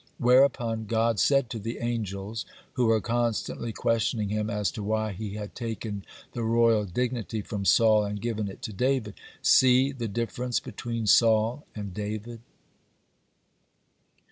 Whereupon God said to the angels, who were constantly questioning him as to why he had taken the royal dignity from Saul and given it to David: "See the difference between Saul and David."